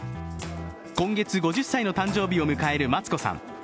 今月５０歳の誕生日を迎えるマツコさん。